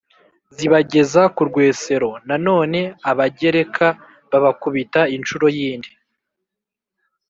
zibageza ku rwesero. na none abagereka, babakubita inshuro y'indi